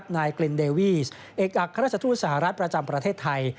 นายกลินเดวีสเอกอัครราชทูตสหรัฐประจำประเทศไทย